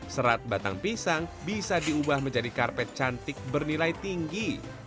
serat batang pisang bisa diubah menjadi karpet cantik bernilai tinggi